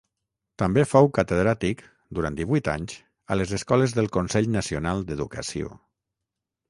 També fou catedràtic, durant divuit anys, a les escoles del Consell Nacional d’Educació.